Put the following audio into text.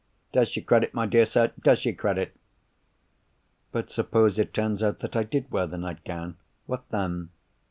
Does you credit, my dear sir—does you credit!" "But suppose it turns out that I did wear the nightgown? What then?"